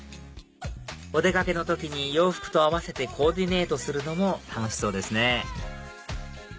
お出掛けの時に洋服と合わせてコーディネートするのも楽しそうですね